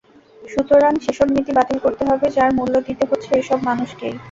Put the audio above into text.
সুতরাং, সেসব নীতি বাতিল করতে হবে, যার মূল্য দিতে হচ্ছে এসব মানুষকেই।